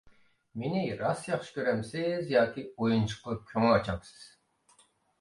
مېنى راست ياخشى كۆرەمسىز ياكى ئويۇنچۇق قىلىپ كۆڭۈل ئاچامسىز؟